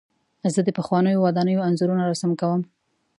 زه د پخوانیو ودانیو انځورونه رسم کوم.